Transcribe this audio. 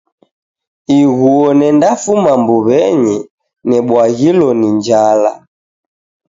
Ighuo nendafuma mbuwenyi nebwaghilo ni njala